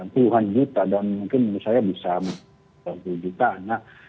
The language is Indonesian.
puluhan juta dan mungkin menurut saya bisa berjuta anak